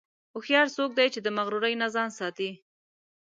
هوښیار څوک دی چې د مغرورۍ نه ځان ساتي.